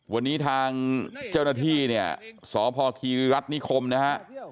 วันนี้ทางเจ้าหน้าที่เนี่ยสพคีริรัฐนิคมนะฮะ